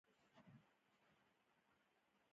موږ هر څه لرو؟